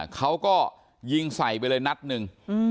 เขาก็ยิงใส่ไปเลยนัดหนึ่ง